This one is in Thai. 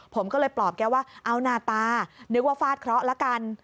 ผมก็เลยปลอบแกว่าเอาหน้าตานึกว่าฟาดเคราะห์ละกัน